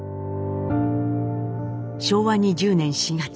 昭和２０年４月。